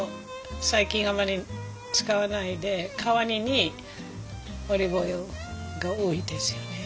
最近あまり使わないで代わりにオリーブオイルが多いですよね。